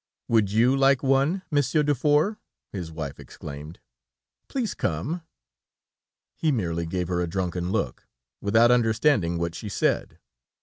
"Would you like one, Monsieur Dufour?" his wife exclaimed, "Please come!" He merely gave her a drunken look, without understanding what she said.